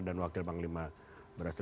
dan wakil panglima berhasil